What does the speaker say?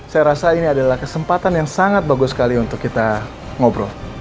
saya rasa ini adalah kesempatan yang sangat bagus sekali untuk kita ngobrol